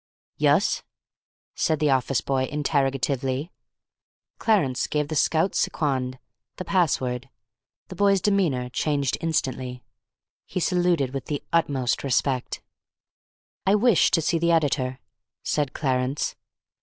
"Yus?" said the office boy interrogatively. Clarence gave the Scout's Siquand, the pass word. The boy's demeanour changed instantly. He saluted with the utmost respect. "I wish to see the Editor," said Clarence.